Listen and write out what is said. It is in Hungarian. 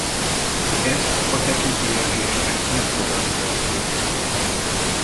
Ezt a tekintélyes késések még tovább növelték.